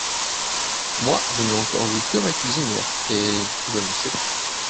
Moi, je n’ai encore vu que ma cuisinière, … et je ne sais pas…